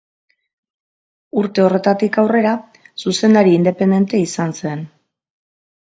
Urte horretatik aurrera, zuzendari independente izan zen.